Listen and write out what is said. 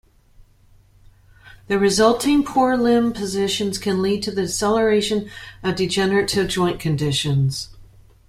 The resulting poor limb positions can lead to the acceleration of degenerative joint conditions.